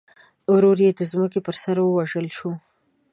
ورور یې د ځمکې پر سر ووژل شو.